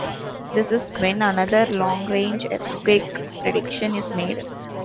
This is when another long-range earthquake prediction is made.